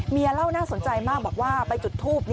เล่าน่าสนใจมากบอกว่าไปจุดทูบ